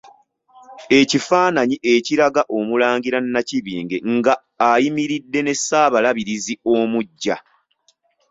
Ekifaananyi ekiraga Omulangira Nakibinge nga ayimiridde ne Ssaabalabirizi omuggya.